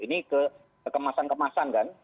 ini kekemasan kemasan kan